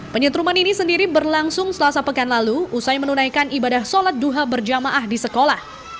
penyetruman ini sendiri berlangsung selasa pekan lalu usai menunaikan ibadah sholat duha berjamaah di sekolah